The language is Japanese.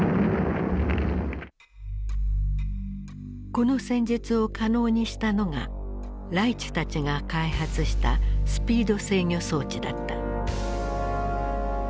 この戦術を可能にしたのがライチュたちが開発したスピード制御装置だった。